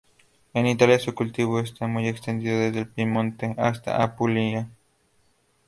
En Italia, su cultivo está muy extendido desde el Piamonte hasta Apulia.